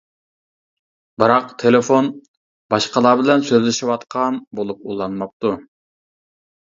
بىراق تېلېفون «باشقىلار بىلەن سۆزلىشىۋاتقان» بولۇپ، ئۇلانماپتۇ.